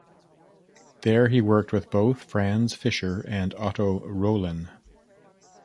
There he worked with both Franz Fischer and Otto Roelen.